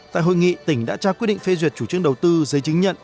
tại hội nghị tỉnh đã trao quyết định phê duyệt chủ trương đầu tư giấy chứng nhận